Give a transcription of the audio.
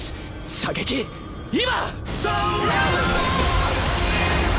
射撃今！